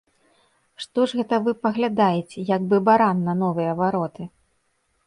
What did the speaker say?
Што ж гэта вы паглядаеце, як бы баран на новыя вароты?